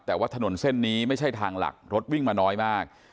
แต่ว่าถนนเส้นนี้ไม่ใช่ทางหลักรถวิ่งมาน้อยมาก